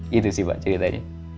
gitu sih pak ceritanya